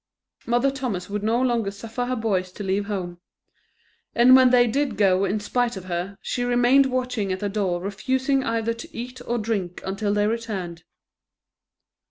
Mother Thomas would no longer suffer her boys to leave home; and when they did go in spite of her, she remained watching at the door refusing either to eat or drink until they returned.